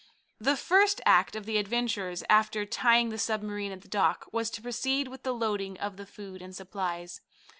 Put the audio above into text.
The first act of the adventurers, after tying the submarine at the dock, was to proceed with the loading of the food and supplies.